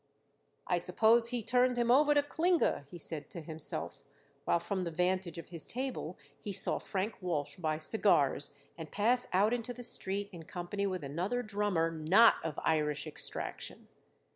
"I suppose he turned him over to Klinger," he said to himself, while from the vantage of his table he saw Frank Walsh buy cigars and pass out into the street in company with another drummer not of Irish extraction.